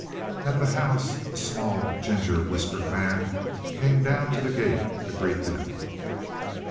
At the house a small, ginger whiskered man came down to the gate to greet them.